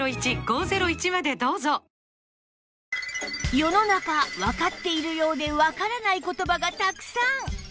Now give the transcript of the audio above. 世の中わかっているようでわからない言葉がたくさん